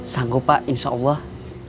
sanggup pak insya allah